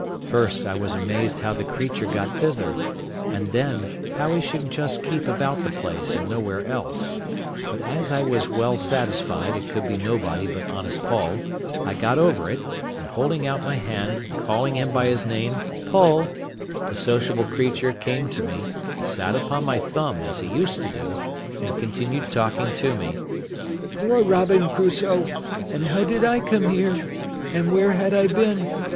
First, I was amazed how the creature got thither; and then, how he should just keep about the place, and nowhere else; but as I was well satisfied it could be nobody but honest Poll, I got over it; and holding out my hand, and calling him by his name, "Poll," the sociable creature came to me, and sat upon my thumb, as he used to do, and continued talking to me, "Poor Robin Crusoe! and how did I come here? and where had I been?"